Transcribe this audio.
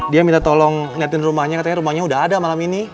dia minta tolong ngeliatin rumahnya katanya rumahnya udah ada malam ini